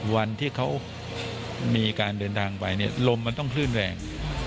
วันที่เขามีการเดินทางไปเนี่ยลมมันต้องคลื่นแรง